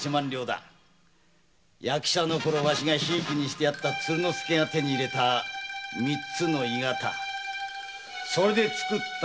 役者のころひいきにしてやった鶴之助が手に入れた三つの鋳型で作った合鍵でな。